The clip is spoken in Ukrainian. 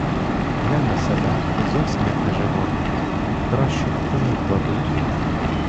Глянь на себе, — ти зовсім як нежива: кращу в труну кладуть.